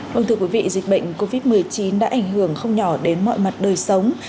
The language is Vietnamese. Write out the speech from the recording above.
vâng thưa quý vị dịch bệnh covid một mươi chín đã ảnh hưởng không nhỏ đến mọi mặt đời sống